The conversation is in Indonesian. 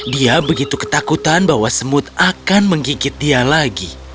dia begitu ketakutan bahwa semut akan menggigit dia lagi